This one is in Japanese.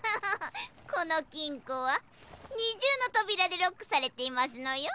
このきんこは２じゅうのとびらでロックされていますのよ。